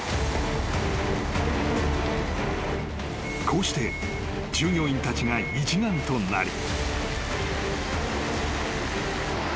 ［こうして従業員たちが一丸となり］